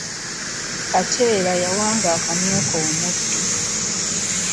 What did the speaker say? Kateera yawanga akamyu ke omuddo.